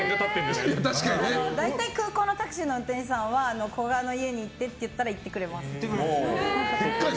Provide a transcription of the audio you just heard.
大体空港のタクシーの運転手さんは古閑の家に行ってと言えば行ってくれます。